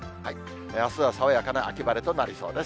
あすは爽やかな秋晴れとなりそうです。